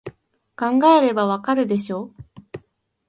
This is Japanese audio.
考えればわかるでしょ